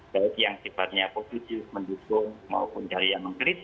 baik yang tibanya positif mendukung maupun yang mengkritik